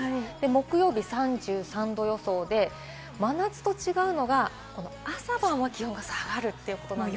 木曜日３３度予想で、真夏と違うのが朝晩は気温が下がるということです。